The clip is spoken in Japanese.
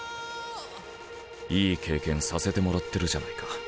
いい経験させてもらってるじゃないか。